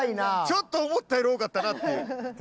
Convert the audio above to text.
ちょっと思ったより多かったなっていう。